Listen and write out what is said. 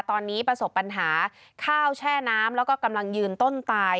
ตอนนี้ประสบปัญหาข้าวแช่น้ำแล้วก็กำลังยืนต้นตาย